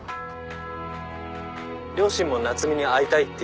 両親も夏海に会いたいって言ってるし。